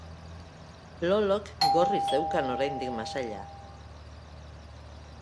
Lolok gorri zeukan oraindik masaila.